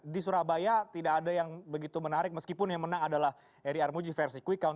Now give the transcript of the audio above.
di surabaya tidak ada yang begitu menarik meskipun yang menang adalah eri armuji versi quick count